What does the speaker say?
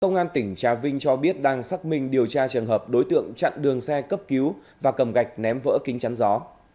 công an tỉnh trà vinh cho biết đang xác minh điều tra trường hợp đối tượng chặn đường xe cấp cứu và cầm gạch ném vỡ kính chắn gió